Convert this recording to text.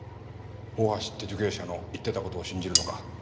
大橋って受刑者の言ってた事を信じるのか？